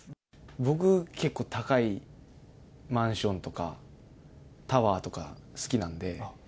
僕、結構高いマンションとか、タワーとか好きなんで。